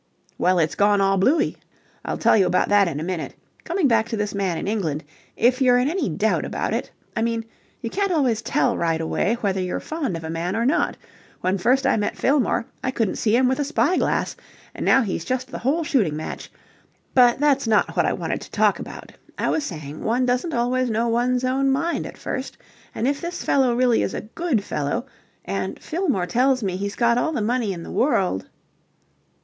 "Well, it's all gone bloo ey. I'll tell you about that in a minute. Coming back to this man in England, if you're in any doubt about it... I mean, you can't always tell right away whether you're fond of a man or not... When first I met Fillmore, I couldn't see him with a spy glass, and now he's just the whole shooting match... But that's not what I wanted to talk about. I was saying one doesn't always know one's own mind at first, and if this fellow really is a good fellow... and Fillmore tells me he's got all the money in the world..."